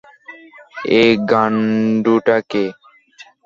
এই গান্ডুটা কে?